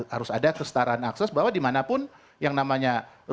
harus ada kesetaraan akses bahwa dimanapun yang namanya rupiah ya bisa diatur